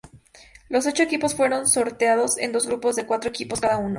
Los ocho equipos fueron sorteados en dos grupos de cuatro equipos cada uno.